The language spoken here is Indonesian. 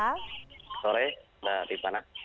selamat sore dari mana